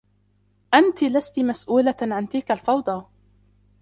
أنتِ لستِ مسؤولة عن تلك الفوضى.